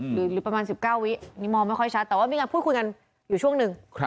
หรือประมาณ๑๙วินี่มองไม่ค่อยชัดแต่ว่ามีการพูดคุยกันอยู่ช่วงหนึ่ง